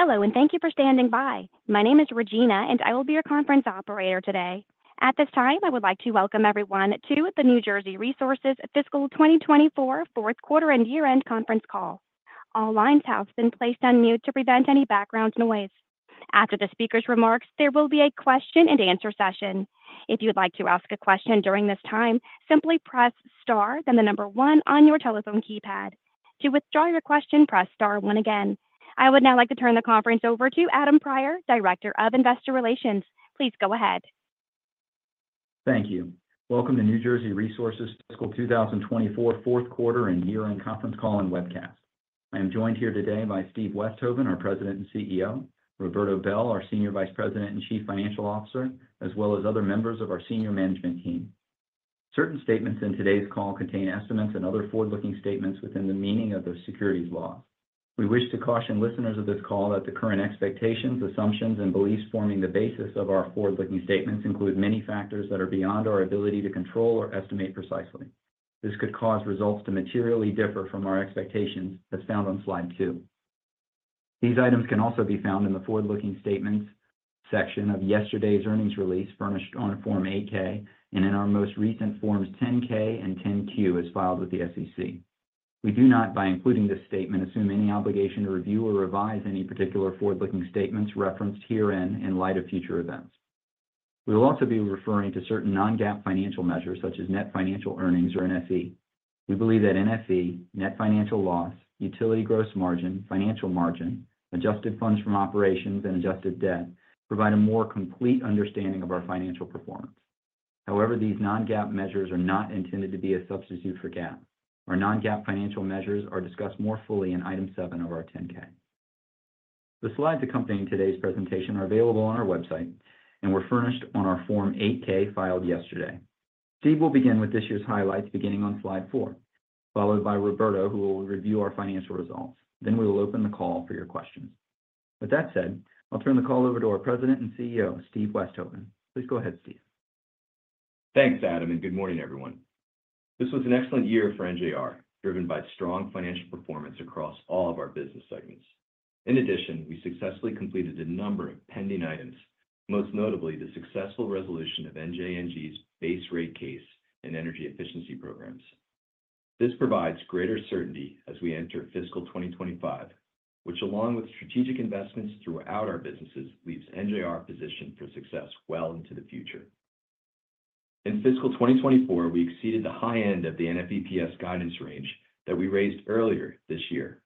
Hello, and thank you for standing by. My name is Regina, and I will be your conference operator today. At this time, I would like to welcome everyone to the New Jersey Resources Fiscal 2024 Fourth Quarter and Year-End Conference Call. All lines have been placed on mute to prevent any background noise. After the speaker's remarks, there will be a question-and-answer session. If you would like to ask a question during this time, simply press star, then the number one on your telephone keypad. To withdraw your question, press star one again. I would now like to turn the conference over to Adam Prior, Director of Investor Relations. Please go ahead. Thank you. Welcome to New Jersey Resources Fiscal 2024 Fourth Quarter and Year-End Conference Call and Webcast. I am joined here today by Steve Westhoven, our President and CEO, Roberto Bel, our Senior Vice President and Chief Financial Officer, as well as other members of our Senior Management Team. Certain statements in today's call contain estimates and other forward-looking statements within the meaning of the securities laws. We wish to caution listeners of this call that the current expectations, assumptions, and beliefs forming the basis of our forward-looking statements include many factors that are beyond our ability to control or estimate precisely. This could cause results to materially differ from our expectations, as found on slide two. These items can also be found in the Forward-Looking Statements section of yesterday's earnings release furnished on Form 8-K and in our most recent Forms 10-K and 10-Q as filed with the SEC. We do not, by including this statement, assume any obligation to review or revise any particular forward-looking statements referenced herein in light of future events. We will also be referring to certain non-GAAP financial measures, such as net financial earnings or NFE. We believe that NFE, net financial loss, utility gross margin, financial margin, adjusted funds from operations, and adjusted debt provide a more complete understanding of our financial performance. However, these non-GAAP measures are not intended to be a substitute for GAAP. Our non-GAAP financial measures are discussed more fully in Item 7 of our Form 10-K. The slides accompanying today's presentation are available on our website and were furnished on our Form 8-K filed yesterday. Steve will begin with this year's highlights beginning on slide four, followed by Roberto, who will review our financial results. Then we will open the call for your questions. With that said, I'll turn the call over to our President and CEO, Steve Westhoven. Please go ahead, Steve. Thanks, Adam, and good morning, everyone. This was an excellent year for NJR, driven by strong financial performance across all of our business segments. In addition, we successfully completed a number of pending items, most notably the successful resolution of NJNG's base rate case and energy efficiency programs. This provides greater certainty as we enter fiscal 2025, which, along with strategic investments throughout our businesses, leaves NJR positioned for success well into the future. In fiscal 2024, we exceeded the high end of the NFEPS guidance range that we raised earlier this year.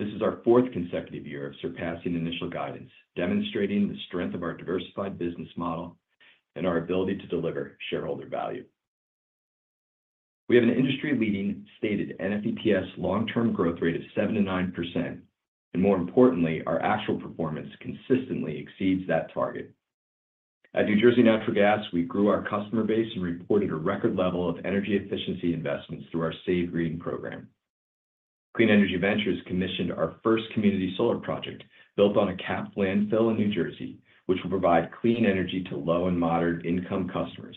This is our fourth consecutive year of surpassing initial guidance, demonstrating the strength of our diversified business model and our ability to deliver shareholder value. We have an industry-leading stated NFEPS long-term growth rate of 7%-9%, and more importantly, our actual performance consistently exceeds that target. At New Jersey Natural Gas, we grew our customer base and reported a record level of energy efficiency investments through our SAVEGREEN program. Clean Energy Ventures commissioned our first community solar project built on a capped landfill in New Jersey, which will provide clean energy to low and moderate-income customers.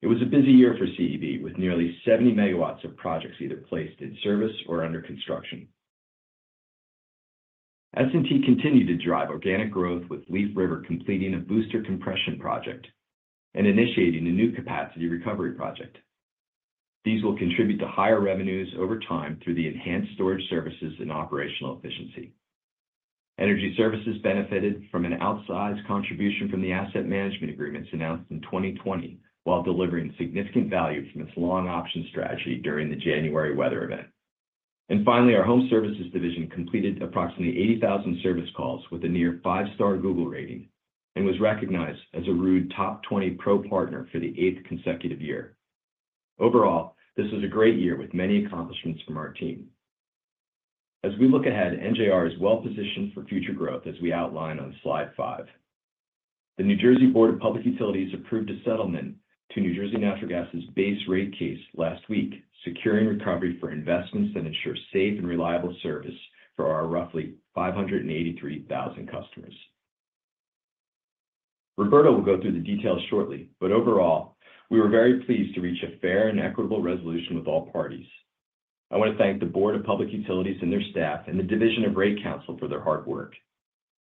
It was a busy year for CEV, with nearly 70 MW of projects either placed in service or under construction. S&T continued to drive organic growth, with Leaf River completing a booster compression project and initiating a new capacity recovery project. These will contribute to higher revenues over time through the enhanced storage services and operational efficiency. Energy Services benefited from an outsized contribution from the asset management agreements announced in 2020, while delivering significant value from its long-option strategy during the January weather event. Finally, our Home Services Division completed approximately 80,000 service calls with a near five-star Google rating and was recognized as a Ruud Top 20 Pro Partner for the eighth consecutive year. Overall, this was a great year with many accomplishments from our team. As we look ahead, NJR is well positioned for future growth, as we outline on slide five. The New Jersey Board of Public Utilities approved a settlement to New Jersey Natural Gas's base rate case last week, securing recovery for investments that ensure safe and reliable service for our roughly 583,000 customers. Roberto will go through the details shortly, but overall, we were very pleased to reach a fair and equitable resolution with all parties. I want to thank the Board of Public Utilities and their staff and the Division of Rate Counsel for their hard work.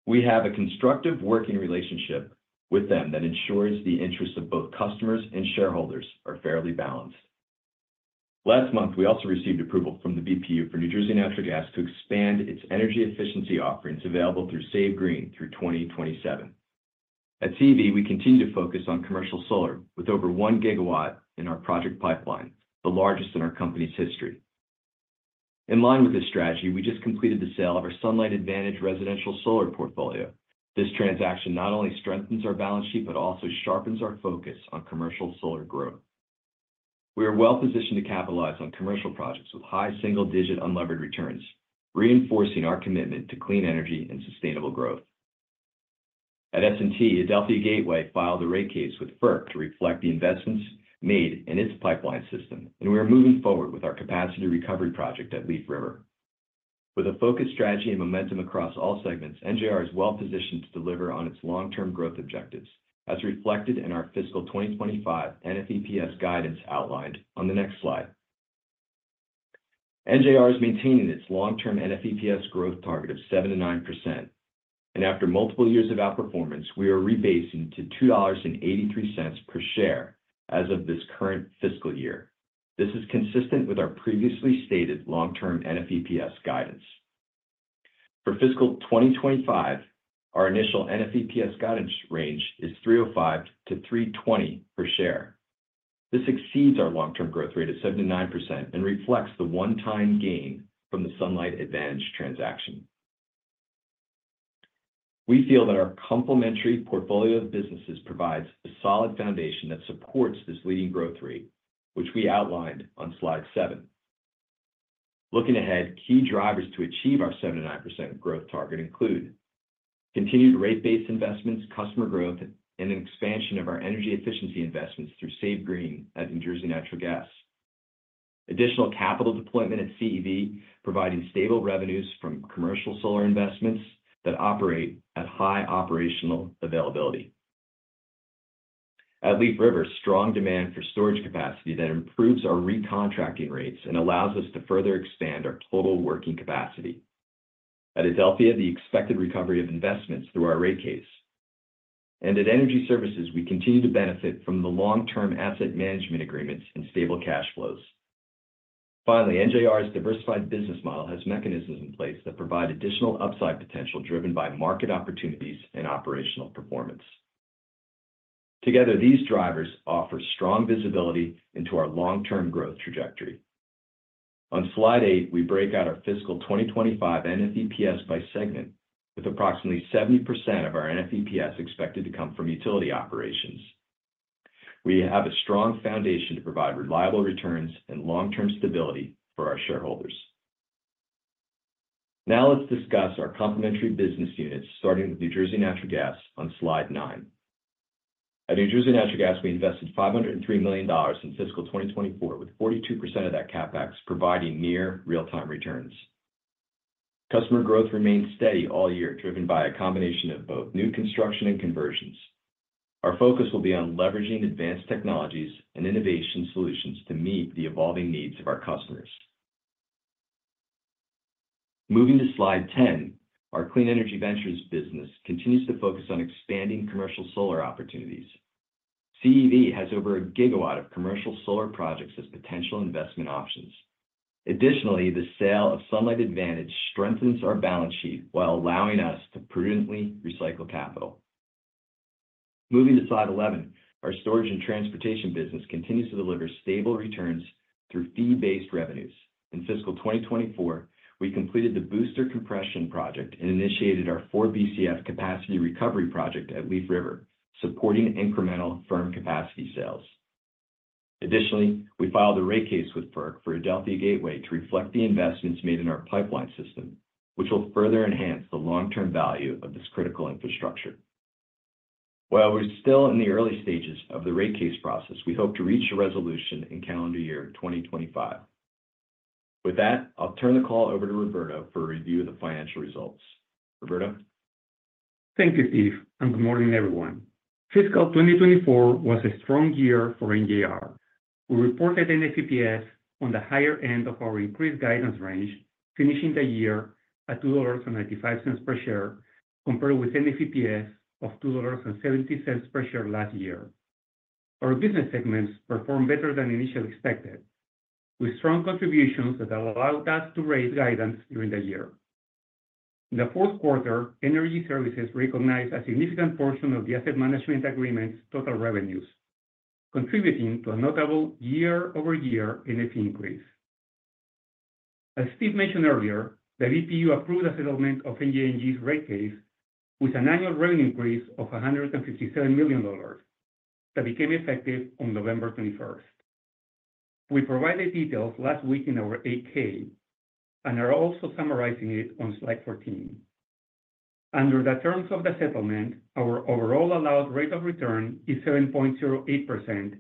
We have a constructive working relationship with them that ensures the interests of both customers and shareholders are fairly balanced. Last month, we also received approval from the BPU for New Jersey Natural Gas to expand its energy efficiency offerings available through SAVEGREEN through 2027. At CEV, we continue to focus on commercial solar, with over 1 GW in our project pipeline, the largest in our company's history. In line with this strategy, we just completed the sale of our Sunlight Advantage residential solar portfolio. This transaction not only strengthens our balance sheet but also sharpens our focus on commercial solar growth. We are well positioned to capitalize on commercial projects with high single-digit unlevered returns, reinforcing our commitment to clean energy and sustainable growth. At S&T, Adelphia Gateway filed a rate case with FERC to reflect the investments made in its pipeline system, and we are moving forward with our capacity recovery project at Leaf River. With a focused strategy and momentum across all segments, NJR is well positioned to deliver on its long-term growth objectives, as reflected in our fiscal 2025 NFEPS guidance outlined on the next slide. NJR is maintaining its long-term NFEPS growth target of 7%-9%, and after multiple years of outperformance, we are rebasing to $2.83 per share as of this current fiscal year. This is consistent with our previously stated long-term NFEPS guidance. For fiscal 2025, our initial NFEPS guidance range is $305-$320 per share. This exceeds our long-term growth rate of 7%-9% and reflects the one-time gain from the Sunlight Advantage transaction. We feel that our complementary portfolio of businesses provides a solid foundation that supports this leading growth rate, which we outlined on slide seven. Looking ahead, key drivers to achieve our 7%-9% growth target include continued rate-based investments, customer growth, and an expansion of our energy efficiency investments through SAVEGREEN at New Jersey Natural Gas. Additional capital deployment at CEV provides stable revenues from commercial solar investments that operate at high operational availability. At Leaf River, strong demand for storage capacity that improves our recontracting rates and allows us to further expand our total working capacity. At Adelphia, the expected recovery of investments through our rate case. And at Energy Services, we continue to benefit from the long-term asset management agreements and stable cash flows. Finally, NJR's diversified business model has mechanisms in place that provide additional upside potential driven by market opportunities and operational performance. Together, these drivers offer strong visibility into our long-term growth trajectory. On slide eight, we break out our fiscal 2025 NFEPS by segment, with approximately 70% of our NFEPS expected to come from utility operations. We have a strong foundation to provide reliable returns and long-term stability for our shareholders. Now let's discuss our complementary business units, starting with New Jersey Natural Gas on slide nine. At New Jersey Natural Gas, we invested $503 million in fiscal 2024, with 42% of that CapEx providing near real-time returns. Customer growth remained steady all year, driven by a combination of both new construction and conversions. Our focus will be on leveraging advanced technologies and innovation solutions to meet the evolving needs of our customers. Moving to slide 10, our Clean Energy Ventures business continues to focus on expanding commercial solar opportunities. CEV has over a gigawatt of commercial solar projects as potential investment options. Additionally, the sale of Sunlight Advantage strengthens our balance sheet while allowing us to prudently recycle capital. Moving to slide 11, our Storage and Transportation business continues to deliver stable returns through fee-based revenues. In fiscal 2024, we completed the booster compression project and initiated our 4 Bcf capacity recovery project at Leaf River, supporting incremental firm capacity sales. Additionally, we filed a rate case with FERC for Adelphia Gateway to reflect the investments made in our pipeline system, which will further enhance the long-term value of this critical infrastructure. While we're still in the early stages of the rate case process, we hope to reach a resolution in calendar year 2025. With that, I'll turn the call over to Roberto for a review of the financial results. Roberto? Thank you, Steve, and good morning, everyone. Fiscal 2024 was a strong year for NJR. We reported NFEPS on the higher end of our increased guidance range, finishing the year at $2.95 per share, compared with NFEPS of $2.70 per share last year. Our business segments performed better than initially expected, with strong contributions that allowed us to raise guidance during the year. In the fourth quarter, Energy Services recognized a significant portion of the asset management agreement's total revenues, contributing to a notable year-over-year NFE increase. As Steve mentioned earlier, the BPU approved a settlement of NJNG's rate case, with an annual revenue increase of $157 million that became effective on November 21st. We provided details last week in our 8-K and are also summarizing it on slide 14. Under the terms of the settlement, our overall allowed rate of return is 7.08%,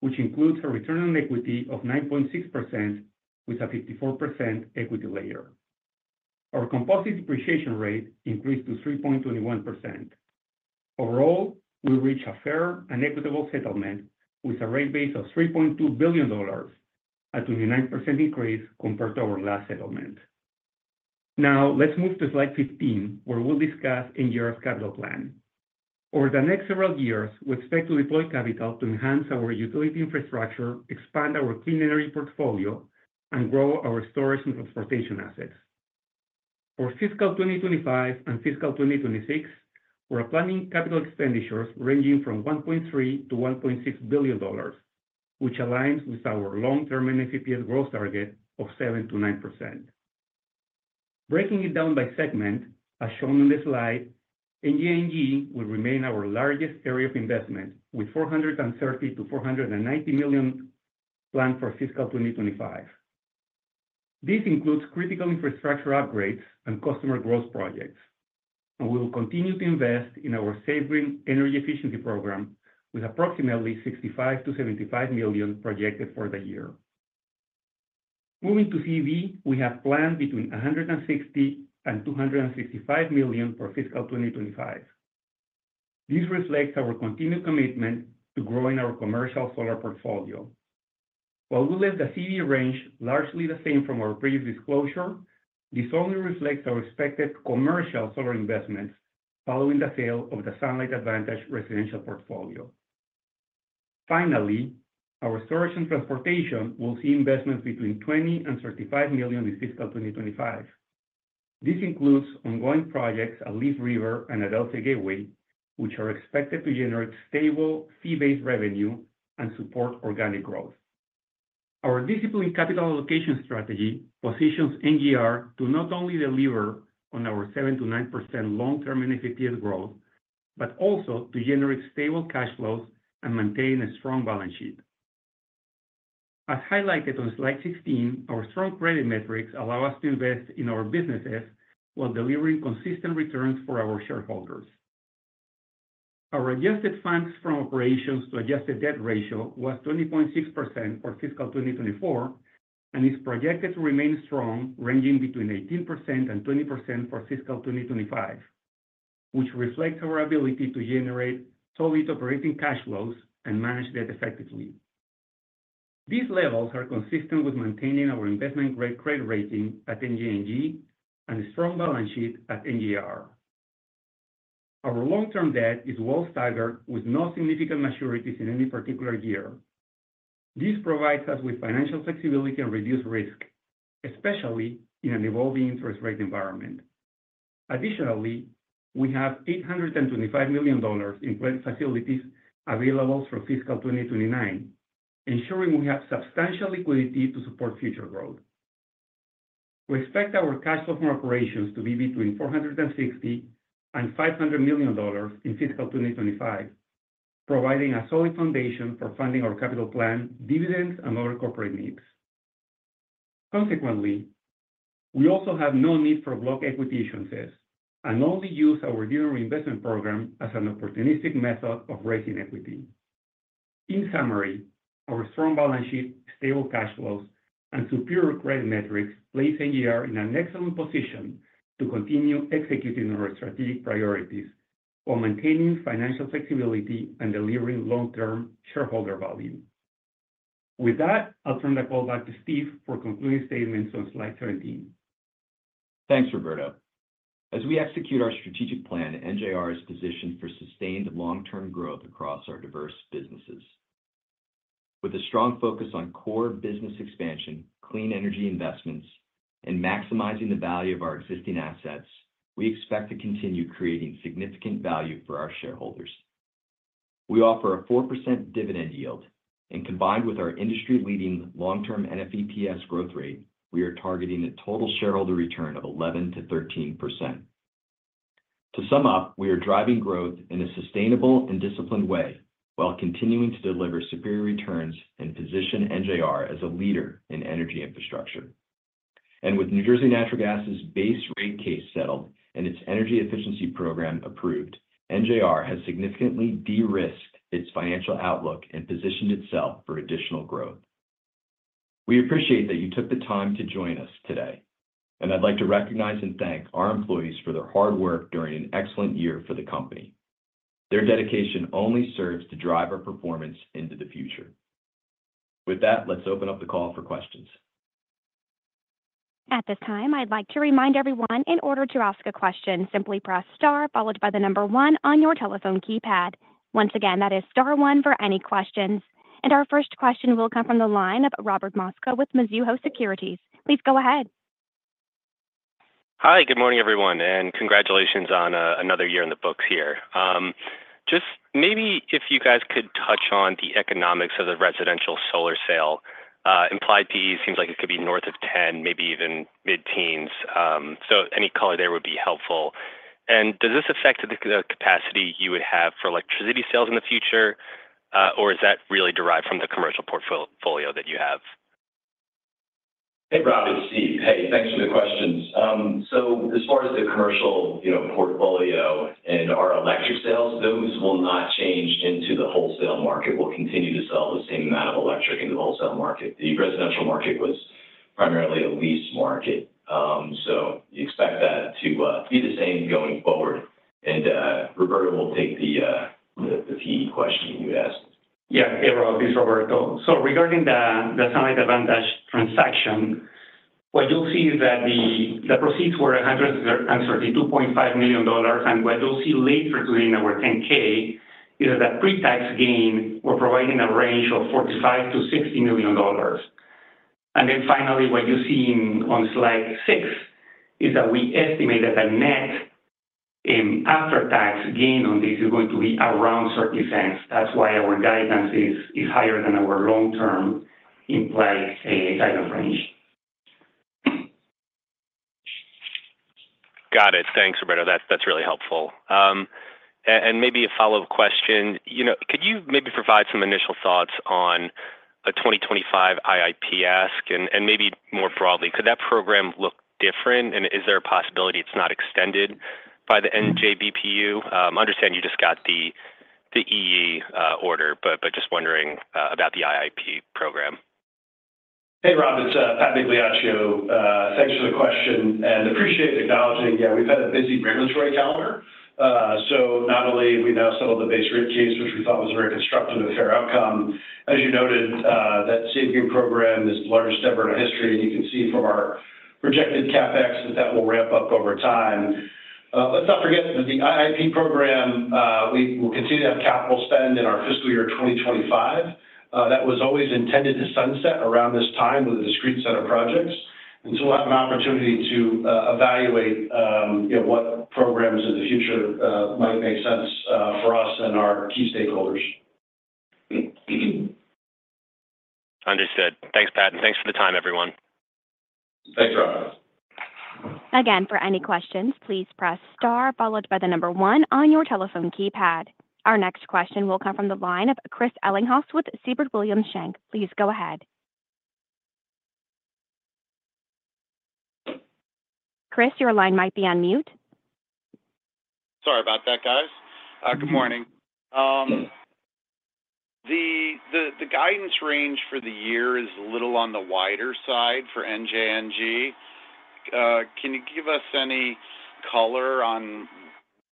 which includes a return on equity of 9.6% with a 54% equity layer. Our composite depreciation rate increased to 3.21%. Overall, we reached a fair and equitable settlement with a rate base of $3.2 billion, a 29% increase compared to our last settlement. Now, let's move to slide 15, where we'll discuss NJR's capital plan. Over the next several years, we expect to deploy capital to enhance our utility infrastructure, expand our clean energy portfolio, and grow our Storage and Transportation assets. For fiscal 2025 and fiscal 2026, we're planning capital expenditures ranging from $1.3 billion-$1.6 billion, which aligns with our long-term NFEPS growth target of 7%-9%. Breaking it down by segment, as shown on the slide, NJNG will remain our largest area of investment, with $430 million-$490 million planned for fiscal 2025. This includes critical infrastructure upgrades and customer growth projects, and we will continue to invest in our SAVEGREEN energy efficiency program, with approximately $65 million-$75 million projected for the year. Moving to CEV, we have planned between $160 million and $265 million for fiscal 2025. This reflects our continued commitment to growing our commercial solar portfolio. While we'll let the CEV range largely the same from our previous disclosure, this only reflects our expected commercial solar investments following the sale of the Sunlight Advantage residential portfolio. Finally, our storage and transportation will see investments between $20 million and $35 million in fiscal 2025. This includes ongoing projects at Leaf River and Adelphia Gateway, which are expected to generate stable fee-based revenue and support organic growth. Our disciplined capital allocation strategy positions NJR to not only deliver on our 7%-9% long-term NFEPS growth, but also to generate stable cash flows and maintain a strong balance sheet. As highlighted on slide 16, our strong credit metrics allow us to invest in our businesses while delivering consistent returns for our shareholders. Our adjusted funds from operations to adjusted debt ratio was 20.6% for fiscal 2024, and is projected to remain strong, ranging between 18% and 20% for fiscal 2025, which reflects our ability to generate solid operating cash flows and manage debt effectively. These levels are consistent with maintaining our investment-grade credit rating at NJNG and a strong balance sheet at NJR. Our long-term debt is well staggered, with no significant maturities in any particular year. This provides us with financial flexibility and reduced risk, especially in an evolving interest rate environment. Additionally, we have $825 million in credit facilities available through fiscal 2029, ensuring we have substantial liquidity to support future growth. We expect our cash flow from operations to be between $460 million and $500 million in fiscal 2025, providing a solid foundation for funding our capital plan, dividends, and other corporate needs. Consequently, we also have no need for block equity issuances and only use our general reinvestment program as an opportunistic method of raising equity. In summary, our strong balance sheet, stable cash flows, and superior credit metrics place NJR in an excellent position to continue executing our strategic priorities while maintaining financial flexibility and delivering long-term shareholder value. With that, I'll turn the call back to Steve for concluding statements on slide 17. Thanks, Roberto. As we execute our strategic plan, NJR is positioned for sustained long-term growth across our diverse businesses. With a strong focus on core business expansion, clean energy investments, and maximizing the value of our existing assets, we expect to continue creating significant value for our shareholders. We offer a 4% dividend yield, and combined with our industry-leading long-term NFEPS growth rate, we are targeting a total shareholder return of 11%-13%. To sum up, we are driving growth in a sustainable and disciplined way while continuing to deliver superior returns and position NJR as a leader in energy infrastructure. With New Jersey Natural Gas's base rate case settled and its energy efficiency program approved, NJR has significantly de-risked its financial outlook and positioned itself for additional growth. We appreciate that you took the time to join us today, and I'd like to recognize and thank our employees for their hard work during an excellent year for the company. Their dedication only serves to drive our performance into the future. With that, let's open up the call for questions. At this time, I'd like to remind everyone in order to ask a question, simply press star followed by the number one on your telephone keypad. Once again, that is star one for any questions. And our first question will come from the line of Robert Mosca with Mizuho Securities. Please go ahead. Hi, good morning, everyone, and congratulations on another year in the books here. Just maybe if you guys could touch on the economics of the residential solar sale. Implied PE seems like it could be north of 10, maybe even mid-teens. So any color there would be helpful. And does this affect the capacity you would have for electricity sales in the future, or is that really derived from the commercial portfolio that you have? Hey, Robert, it's Steve. Hey, thanks for the questions. So, as far as the commercial portfolio and our electric sales, those will not change into the wholesale market. We'll continue to sell the same amount of electric in the wholesale market. The residential market was primarily a lease market. So, you expect that to be the same going forward. And Roberto will take the PE question that you asked. Yeah, hey, Robert, this is Roberto. So regarding the Sunlight Advantage transaction, what you'll see is that the proceeds were $132.5 million, and what you'll see later today in our 10-K is that the pre-tax gain, we're providing a range of $45 million-$60 million. And then finally, what you see on slide six is that we estimate that the net after-tax gain on this is going to be around $0.30. That's why our guidance is higher than our long-term implied guidance range. Got it. Thanks, Roberto. That's really helpful, and maybe a follow-up question. Could you maybe provide some initial thoughts on a 2025 IIP and maybe more broadly, could that program look different? And is there a possibility it's not extended by the NJBPU? I understand you just got the EE order, but just wondering about the IIP program. Hey, Robert, it's Pat Migliaccio. Thanks for the question, and appreciate acknowledging. Yeah, we've had a busy regulatory calendar. So not only have we now settled the base rate case, which we thought was a very constructive and fair outcome, as you noted, that SAVEGREEN program is the largest ever in history. And you can see from our projected CapEx that that will ramp up over time. Let's not forget that the IIP program, we will continue to have capital spend in our fiscal year 2025. That was always intended to sunset around this time with the discrete set of projects. And so we'll have an opportunity to evaluate what programs in the future might make sense for us and our key stakeholders. Understood. Thanks, Pat, and thanks for the time, everyone. Thanks, Robert. Again, for any questions, please press star followed by the number one on your telephone keypad. Our next question will come from the line of Chris Ellinghaus with Siebert Williams Shank. Please go ahead. Chris, your line might be on mute. Sorry about that, guys. Good morning. The guidance range for the year is a little on the wider side for NJNG. Can you give us any color on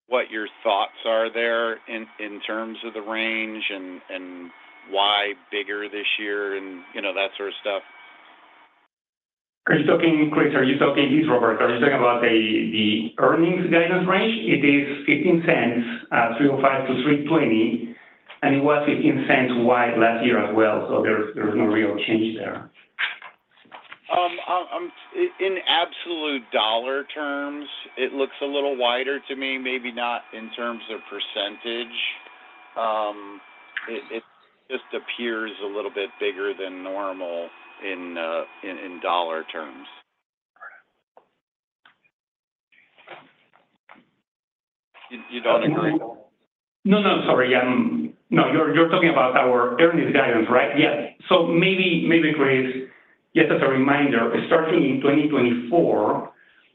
what your thoughts are there in terms of the range and why bigger this year and that sort of stuff? Chris, are you talking? It's Roberto. Are you talking about the earnings guidance range? It is $3.05-$3.20, and it was $0.15 wide last year as well. So there's no real change there. In absolute dollar terms, it looks a little wider to me, maybe not in terms of percentage. It just appears a little bit bigger than normal in dollar terms. You don't agree? No, no, sorry. No, you're talking about our earnings guidance, right? Yeah. So maybe, Chris, just as a reminder, starting in 2024,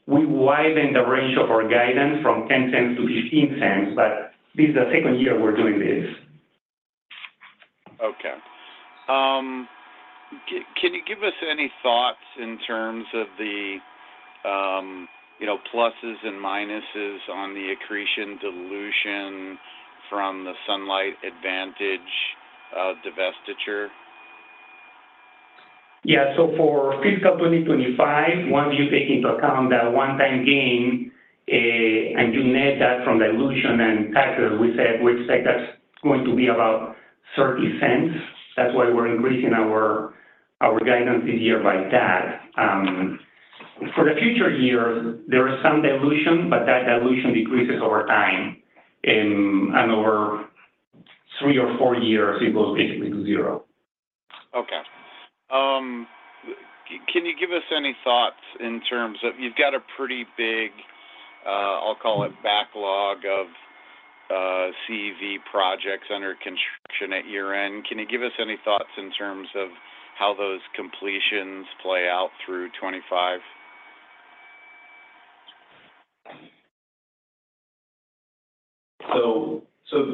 we widened the range of our guidance from $0.10 to $0.15, but this is the second year we're doing this. Okay. Can you give us any thoughts in terms of the pluses and minuses on the accretion dilution from the Sunlight Advantage divestiture? Yeah, so for fiscal 2025, once you take into account that one-time gain and you net that from dilution and taxes, we said we expect that's going to be about $0.30. That's why we're increasing our guidance this year by that. For the future years, there is some dilution, but that dilution decreases over time and over three or four years, it will basically be zero. Okay. Can you give us any thoughts in terms of, you've got a pretty big, I'll call it backlog of CEV projects under construction at year-end. Can you give us any thoughts in terms of how those completions play out through 2025? So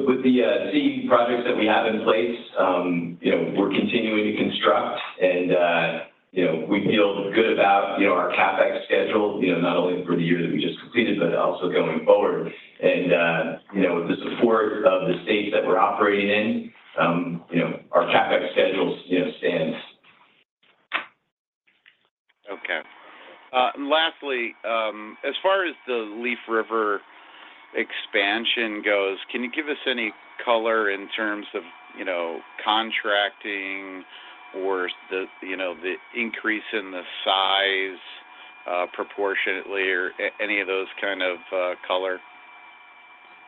with the CEV projects that we have in place, we're continuing to construct, and we feel good about our CapEx schedule, not only for the year that we just completed, but also going forward. And with the support of the states that we're operating in, our CapEx schedule stands. Okay. And lastly, as far as the Leaf River expansion goes, can you give us any color in terms of contracting or the increase in the size proportionately or any of those kind of color?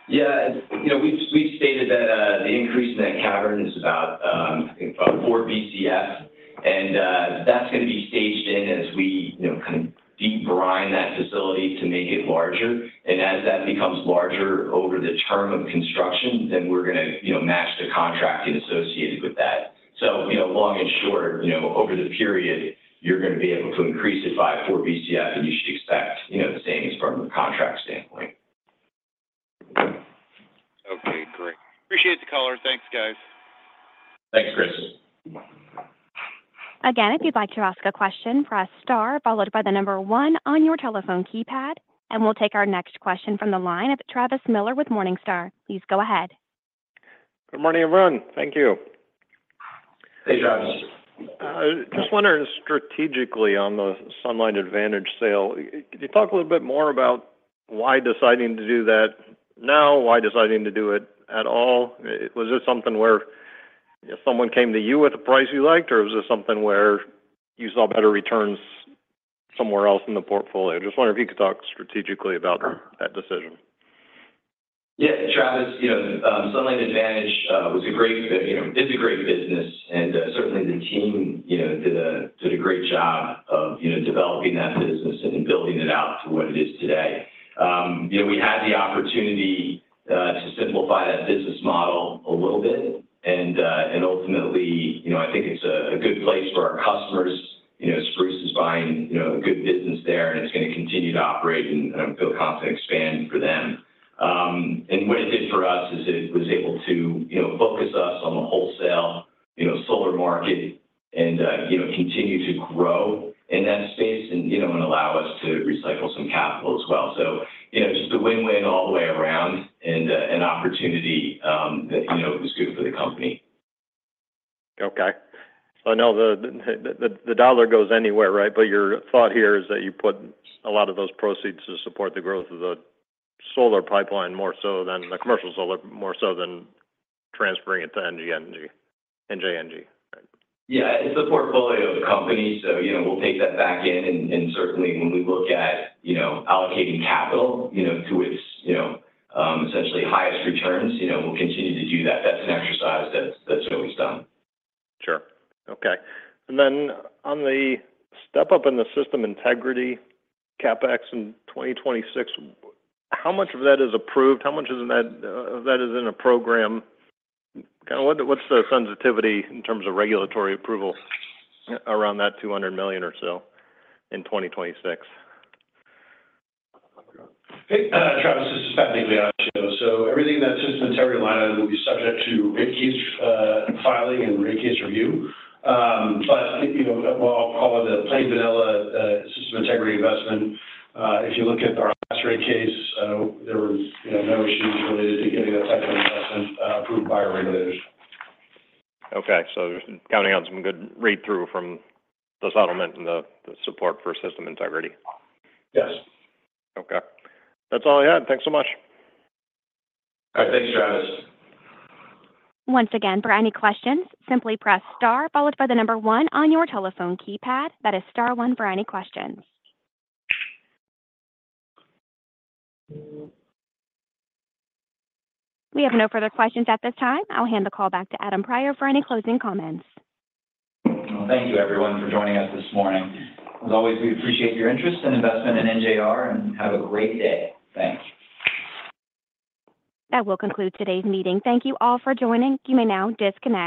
Yeah. We've stated that the increase in that cavern is about 4 Bcf, and that's going to be staged in as we kind of de-brine that facility to make it larger. And as that becomes larger over the term of construction, then we're going to match the contracting associated with that. So long and short, over the period, you're going to be able to increase it by 4 Bcf, and you should expect the same from the contract standpoint. Okay. Great. Appreciate the color. Thanks, guys. Thanks, Chris. Again, if you'd like to ask a question, press star followed by the number one on your telephone keypad. And we'll take our next question from the line of Travis Miller with Morningstar. Please go ahead. Good morning, everyone. Thank you. Hey, Travis. Just wondering strategically on the Sunlight Advantage sale, could you talk a little bit more about why deciding to do that now, why deciding to do it at all? Was it something where someone came to you with a price you liked, or was it something where you saw better returns somewhere else in the portfolio? Just wondering if you could talk strategically about that decision? Yeah. Travis, Sunlight Advantage was a great, it's a great business, and certainly the team did a great job of developing that business and building it out to what it is today. We had the opportunity to simplify that business model a little bit, and ultimately, I think it's a good place for our customers. Spruce is buying a good business there, and it's going to continue to operate and feel confident to expand for them. And what it did for us is it was able to focus us on the wholesale solar market and continue to grow in that space and allow us to recycle some capital as well, so just a win-win all the way around and an opportunity that was good for the company. Okay. So I know the dollar goes anywhere, right? But your thought here is that you put a lot of those proceeds to support the growth of the solar pipeline more so than the commercial solar, more so than transferring it to NJNG. Yeah. It's a portfolio of companies, so we'll take that back in. And certainly, when we look at allocating capital to its essentially highest returns, we'll continue to do that. That's an exercise that's always done. Sure. Okay. And then on the step up in the system integrity CapEx in 2026, how much of that is approved? How much of that is in a program? Kind of what's the sensitivity in terms of regulatory approval around that $200 million or so in 2026? Hey, Travis, this is Pat Migliaccio. So everything that system integrity line item will be subject to rate case filing and rate case review. But I'll call it the plain vanilla system integrity investment. If you look at our last rate case, there were no issues related to getting that type of investment approved by our regulators. Okay, so counting on some good read-through from the settlement and the support for system integrity. Yes. Okay. That's all I had. Thanks so much. All right. Thanks, Travis. Once again, for any questions, simply press star followed by the number one on your telephone keypad. That is star one for any questions. We have no further questions at this time. I'll hand the call back to Adam Prior for any closing comments. Thank you, everyone, for joining us this morning. As always, we appreciate your interest and investment in NJR, and have a great day. Thanks. That will conclude today's meeting. Thank you all for joining. You may now disconnect.